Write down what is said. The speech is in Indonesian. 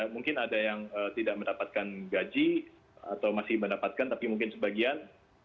mungkin ada yang tidak mendapatkan gaji atau masih mendapatkan tapi mungkin sebagian